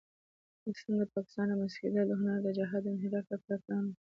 اصلاً د پاکستان رامنځته کېدل د هند د جهاد د انحراف لپاره پلان و.